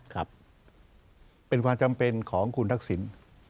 ครับเป็นความจำเป็นของคุณทักษิณ